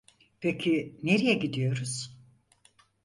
Peki, nereye gidiyoruz?